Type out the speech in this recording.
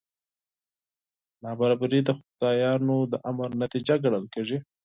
نابرابري د خدایانو د امر نتیجه ګڼل کېږي.